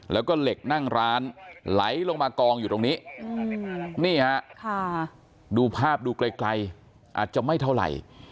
แล้วก็เหล็กนั่งร้านไหลลงมากองอยู่ตรงนี้นี่ฮะดูภาพดูไกลอาจจะไม่เท่าไหร่